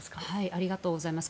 ありがとうございます。